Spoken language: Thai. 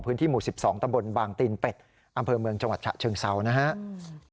พื้นที่หมู่๑๒ตะบนบางตีนเป็ดอำเภอเมืองจังหวัดฉะเชิงเซานะครับ